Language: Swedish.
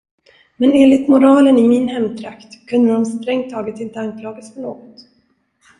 Men enligt moralen i min hemtrakt kunde de strängt taget inte anklagas för något.